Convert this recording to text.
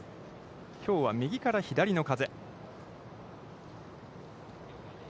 きょうは右から左の風。